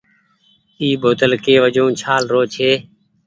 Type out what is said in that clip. اي بوتل ڪي وجون ڇآل رو ڇي ۔